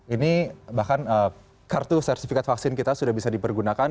ini bahkan kartu sertifikat vaksin kita sudah bisa dipergunakan